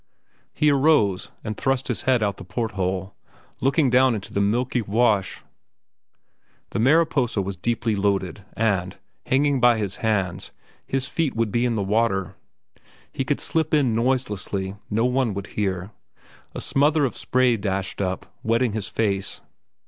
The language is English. He arose and thrust his head out the port hole, looking down into the milky wash. The Mariposa was deeply loaded, and, hanging by his hands, his feet would be in the water. He could slip in noiselessly. No one would hear. A smother of spray dashed up, wetting his face.